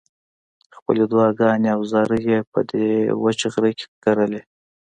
خپلې دعاګانې او زارۍ یې په دې وچ غره کې کرلې.